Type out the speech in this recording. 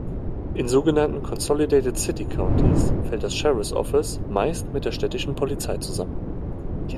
In sogenannten Consolidated city-countys fällt das Sheriff's Office meist mit der städtischen Polizei zusammen.